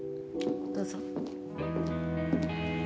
どうぞ。